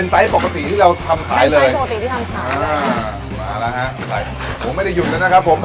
มันก็จะเร็วเป็นไซส์ปกติที่เราทำขายเลยเป็นไซส์ปกติที่ทำขายเลย